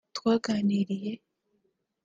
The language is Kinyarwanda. twaganiriye